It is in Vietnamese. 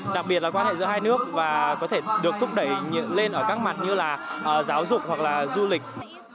đặc biệt là quan hệ giữa hai nước và có thể được thúc đẩy lên ở các mặt như là giáo dục hoặc là du lịch